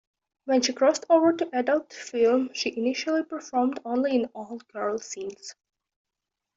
When she crossed over to adult film, she initially performed only in "all-girl" scenes.